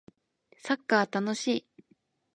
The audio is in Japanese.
サッカー楽しい